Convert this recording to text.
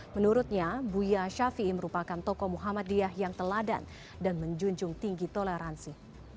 menurutnya buya syafi merupakan tokoh muhammadiyah yang teladan dan menjunjung tinggi toleransi